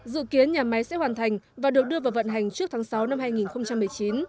dự kiến nhà máy sẽ hoàn thành và được đưa vào vận hành trước tháng sáu năm hai nghìn một mươi chín